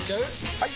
・はい！